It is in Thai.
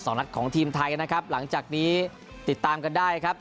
นัดของทีมไทยนะครับหลังจากนี้ติดตามกันได้ครับ